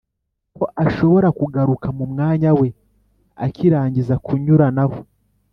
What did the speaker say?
ko ashobora kugaruka mumwanya we akirangiza kunyuranaho